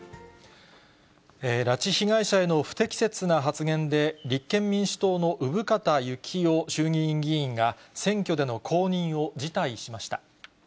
拉致被害者への不適切な発言で、立憲民主党の生方幸夫衆議院議員が、選挙での公認を辞退しました。